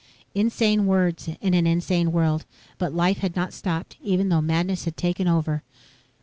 Insane words in an insane world. But life had not stopped even though madness had taken over.